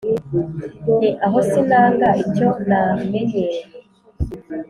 nti : aho sinanga icyo namenyereye!